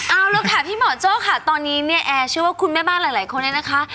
เอาละค่ะพี่หมอโจ้ค่ะตอนนี้เนี่ยแอร์เชื่อว่าคุณแม่บ้านหลายคนเนี่ยนะคะ